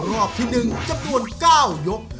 รอบที่๑จำนวน๙ยก